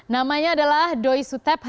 namanya adalah doi sutep